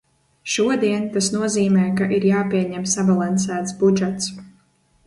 Šodien tas nozīmē, ka ir jāpieņem sabalansēts budžets.